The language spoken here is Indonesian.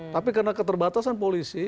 tapi karena keterbatasan polisi